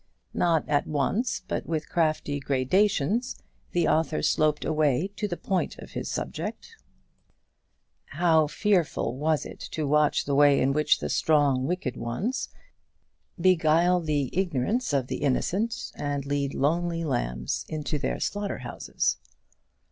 Not at once, but with crafty gradations, the author sloped away to the point of his subject. How fearful was it to watch the way in which the strong, wicked ones, the roaring lions of the earth, beguiled the ignorance of the innocent, and led lonely lambs into their slaughter houses.